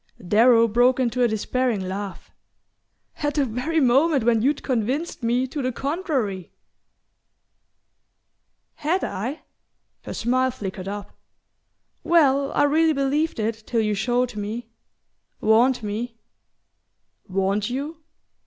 Darrow broke into a despairing laugh. "At the very moment when you'd convinced me to the contrary!" "Had I?" Her smile flickered up. "Well, I really believed it till you showed me ... warned me..." "Warned you?"